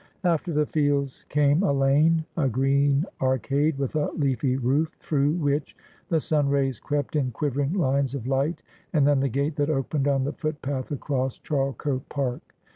After the fields came a lane, a green arcade with a leafy roof, through which the sun rays crept in quivering lines of light, and then the gate that opened on the footpath across Charlecote Park.